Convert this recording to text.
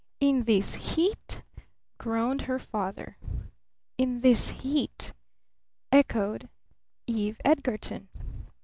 "In this heat?" groaned her father. "In this heat," echoed Eve Edgarton.